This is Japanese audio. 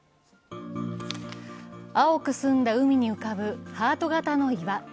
青く澄んだ海に浮かぶハート形の岩。